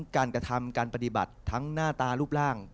การปฏิบัติทั้งหน้าตะรูปร่าง